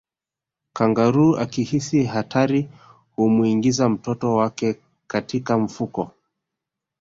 kangaroo akihisi hatari humuingiza mtoto wake katika mfuko